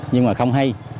nhưng mà không hay